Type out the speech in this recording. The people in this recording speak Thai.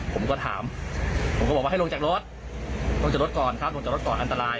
ผมก็ถามผมก็บอกว่าให้ลงจากรถลงจากรถก่อนครับลงจากรถก่อนอันตราย